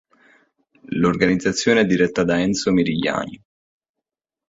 L'organizzazione è diretta da Enzo Mirigliani.